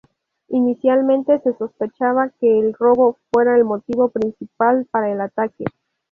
Inicialmente, se sospechaba que el robo fuera el motivo principal para el ataque.